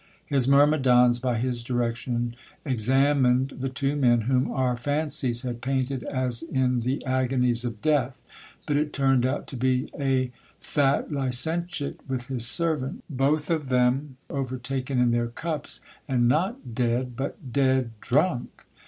His myrmidons, by his direction, examined the two men, whom our fancies had painted as in the agonies of death, but it turned out to be a fat licentiate with his servant, both of them overtaken in their cups, and not dead, but dead drunk.